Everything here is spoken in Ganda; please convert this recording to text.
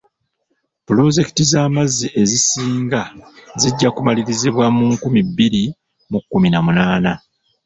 Pulozekiti z'amazzi ezisinga zijja kumalirizibwa mu nkumi bbiri mu kkumi na munaana.